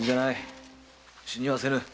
死にはせぬ。